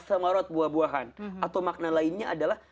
atau makna lainnya adalah